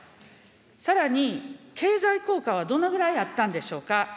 さらに、経済効果はどのぐらいあったんでしょうか。